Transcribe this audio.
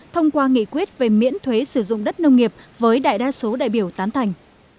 thông qua nghị quyết về miễn thuế sử dụng đất nông nghiệp với đại đa số đại biểu tán thành